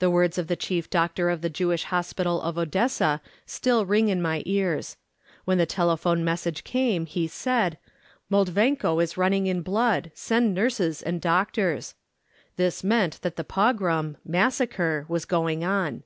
The words of the chief doctor of the Jewish Hospital of Odessa still ring in my ears. When the telephone message came, he said, "Moldvanko is running in blood; send nurses and doctors." This meant that the Pogrom (massacre) was going on.